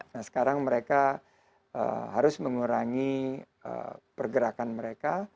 nah sekarang mereka harus mengurangi pergerakan mereka